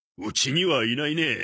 うちにはいないね。